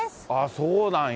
そうなんや。